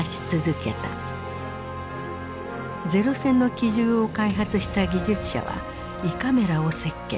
零戦の機銃を開発した技術者は胃カメラを設計。